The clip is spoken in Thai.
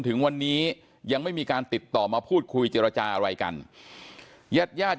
ถึงวันนี้ยังไม่มีการติดต่อมาพูดคุยเจรจาอะไรกันญาติญาติ